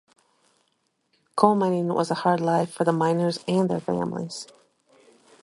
Coal mining was a hard life for the miners and their families.